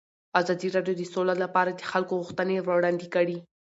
ازادي راډیو د سوله لپاره د خلکو غوښتنې وړاندې کړي.